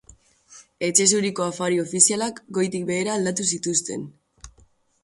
Etxe Zuriko afari ofizialak goitik behera aldatu zituzten.